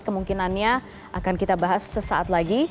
kemungkinannya akan kita bahas sesaat lagi